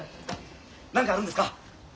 何かあるんですか？